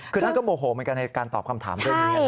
คือท่านก็โมโหเหมือนกันในการตอบคำถามเรื่องนี้